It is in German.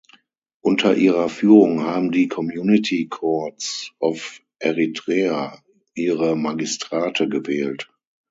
Unter ihrer Führung haben die Community Courts of Eritrea ihre Magistrate gewählt.